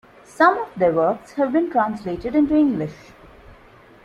Some of their works have been translated into English.